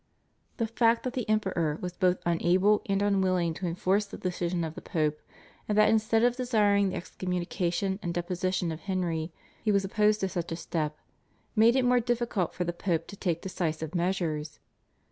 The fact that the Emperor was both unable and unwilling to enforce the decision of the Pope, and that instead of desiring the excommunication and deposition of Henry he was opposed to such a step, made it more difficult for the Pope to take decisive measures.